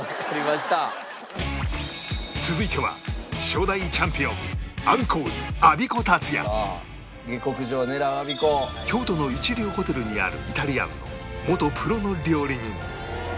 続いては初代チャンピオン京都の一流ホテルにあるイタリアンの元プロの料理人